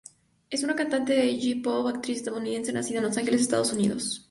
Es una cantante de J-Pop y actriz estadounidense nacida en Los Ángeles, Estados Unidos.